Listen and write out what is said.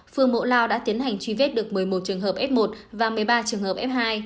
phương mộ lao đã tiến hành truy vết được một mươi một trường hợp f một và một mươi ba trường hợp f hai